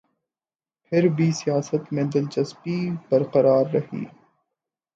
پھر بھی سیاست میں دلچسپی برقرار رہی۔